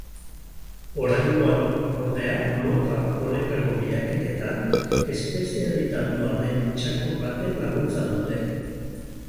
Oraingoan, ordea, mota honetako bilaketetan espezializatua den txakur baten laguntza dute.